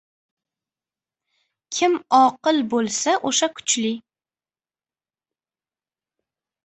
• Kim oqil bo‘lsa, o‘sha kuchli.